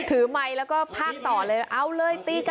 ถือไมค์แล้วก็พาคต่อเลยเอาเลยตี